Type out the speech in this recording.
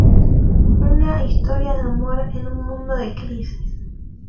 Una historia de amor en un mundo en crisis.